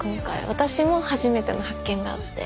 私も初めての発見があって。